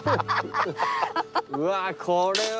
うわーこれは。